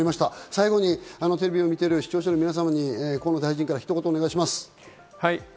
最後にテレビを見ている視聴者の皆様に河野大臣からひと言お願いします。